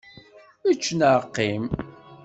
Ečč neɣ qqim!